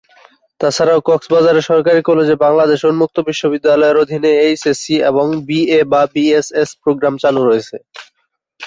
তাছাড়াও কক্সবাজার সরকারি কলেজে বাংলাদেশ উন্মুক্ত বিশ্ববিদ্যালয়ের অধীনে এইচএসসি এবং বিএ/বিএসএস প্রোগ্রাম চালু রয়েছে।